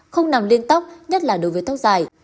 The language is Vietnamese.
không nằm liên tóc nhất là đối với tóc dài